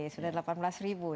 sudah delapan belas ribu ya